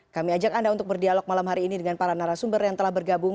kami ajak anda untuk berdialog malam hari ini dengan para narasumber yang telah bergabung